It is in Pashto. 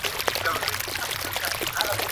تاسي ولي دغه کار نه کوئ؟